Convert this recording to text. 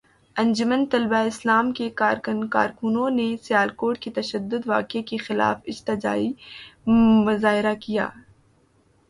انجمن طلباء اسلام کے کارکنوں نے سیالکوٹ کے پرتشدد واقعے کے خلاف احتجاجی مظاہرہ کیا